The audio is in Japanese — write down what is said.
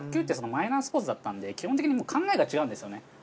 マイナースポーツだったんで基本的にもう考えが違うんですよね。